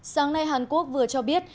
sáng nay hàn quốc vừa cho biết